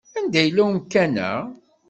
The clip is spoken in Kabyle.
Anda yella umkan-a?